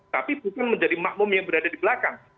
tapi bukan menjadi makmum yang berada di belakang